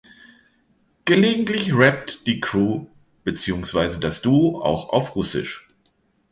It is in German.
Gelegentlich rappt die Crew beziehungsweise das Duo auch auf Russisch.